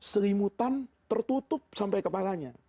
selimutan tertutup sampai kepalanya